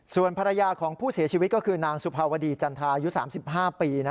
ส่วนภรรยาของผู้เสียชีวิตก็คือนางสุภาวดีจันทาอายุ๓๕ปี